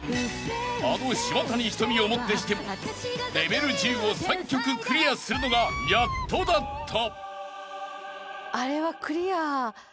［あの島谷ひとみをもってしてもレベル１０を３曲クリアするのがやっとだった］